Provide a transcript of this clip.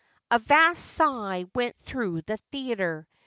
A vast sigh went through the theater.